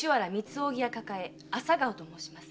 扇屋抱え“朝顔”と申します。